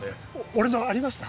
俺のありました？